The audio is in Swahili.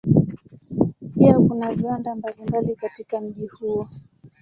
Pia kuna viwanda mbalimbali katika mji huo.